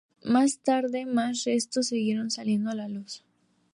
Más tarde, más restos siguieron saliendo a la luz.